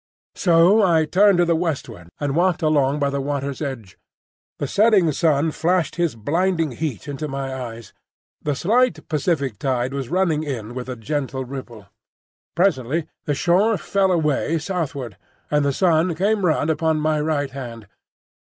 So I turned to the westward and walked along by the water's edge. The setting sun flashed his blinding heat into my eyes. The slight Pacific tide was running in with a gentle ripple. Presently the shore fell away southward, and the sun came round upon my right hand.